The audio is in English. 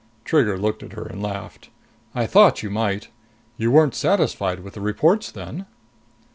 Trigger looked at her and laughed. "I thought you might. You weren't satisfied with the reports then?"